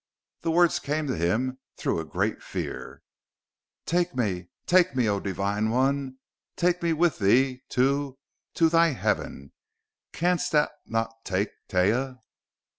The words came to him through a great fear. "Take me take me, O Divine One. Take me with thee to to thy heaven.... Canst thou not take Taia?"